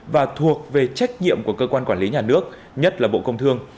và thuộc về trách nhiệm của cơ quan quản lý nhà nước nhất là bộ công thương